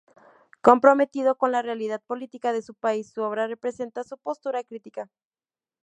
Comprometido con la realidad política de su país, su obra representa su postura crítica.